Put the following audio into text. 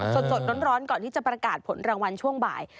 สดร้อนก่อนที่จะประกาศผลรางวัลช่วงบ่าย